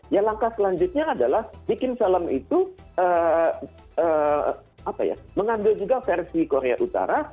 ya langkah selanjutnya adalah bikin film itu mengambil juga versi korea utara